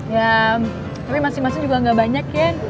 ya tapi masing masing juga gak banyak yan